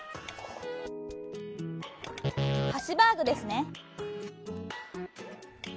「ハシバーグ」ですね。